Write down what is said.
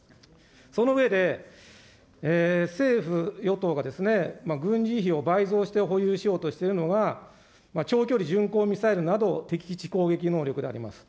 その上で、政府・与党が軍事費を倍増して保有しようとしているのが、長距離巡航ミサイルなど敵基地攻撃能力であります。